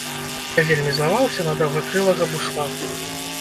Я вельмі злаваўся на даўгакрылага бусла.